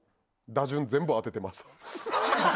打順全部当ててました。